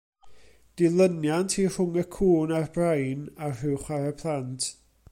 Dilyniant i Rhwng y Cŵn a'r Brain a Rhyw Chwarae Plant.